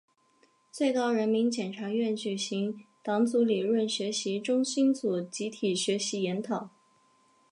最高人民检察院举行党组理论学习中心组集体学习研讨